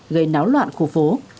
gây náo loạn khu phố